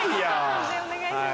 判定お願いします。